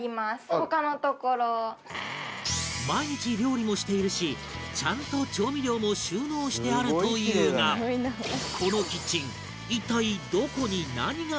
毎日料理もしているしちゃんと調味料も収納してあるというがこのキッチン一体どこに何が入っているのか？